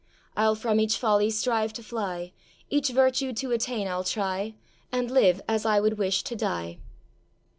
I'll from each folly strive to fly, Each virtue to attain I'll try, And live as I would wish to die.